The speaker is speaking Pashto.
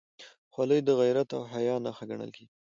خولۍ د غیرت او حیا نښه ګڼل کېږي.